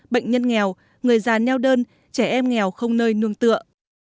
bệnh nhân nghèo người già neo đơn trẻ em nghèo không nơi nương tựa